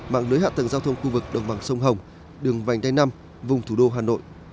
mạng lưới hạ tầng giao thông khu vực đồng bằng sông hồng đường vành đai năm vùng thủ đô hà nội